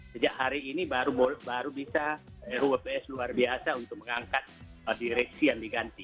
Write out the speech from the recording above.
sejak hari ini baru bisa ruaps luar biasa untuk mengangkat direksi yang diganti